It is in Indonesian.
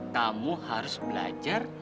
kamu harus belajar